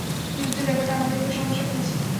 বিদ্যুতের ব্যাপারটা আমাদেরকেও সমস্যায় ফেলেছে।